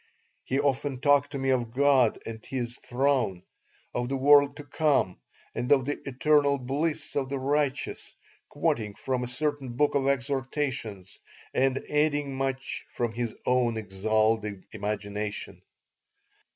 He often talked to me of God and His throne, of the world to come, and of the eternal bliss of the righteous, quoting from a certain book of exhortations and adding much from his own exalted imagination.